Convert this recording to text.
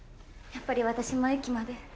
やっぱり私も駅まで。